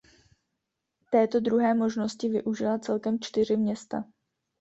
Této druhé možnosti využila celkem čtyři města.